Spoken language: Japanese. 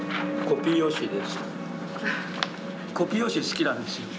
コピー用紙好きなんですよ。